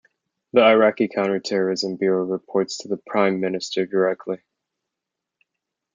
The Iraqi Counter Terrorism Bureau reports to the Prime Minister directly.